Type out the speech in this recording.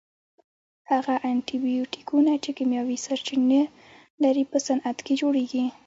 هغه انټي بیوټیکونه چې کیمیاوي سرچینه لري په صنعت کې جوړیږي.